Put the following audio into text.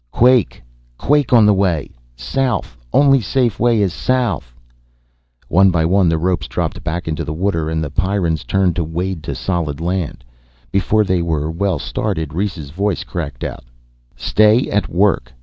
"Quake! Quake on the way! South only safe way is south!" One by one the ropes dropped back into the water and the Pyrrans turned to wade to solid land. Before they were well started Rhes' voice cracked out. "Stay at work!